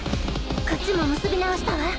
こっちも結び直したわ。